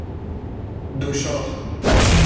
دو شاخ